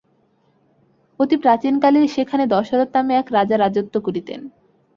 অতি প্রাচীন কালে সেখানে দশরথ নামে এক রাজা রাজত্ব করিতেন।